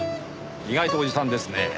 意外とおじさんですねぇ。